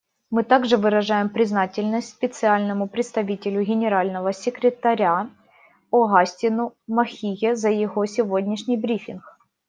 Мы также выражаем признательность Специальному представителю Генерального секретаря Огастину Махиге за его сегодняшний брифинг.